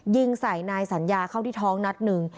ยิงใส่นายสัญญาเข้าที่ท้องนัดหนึ่ง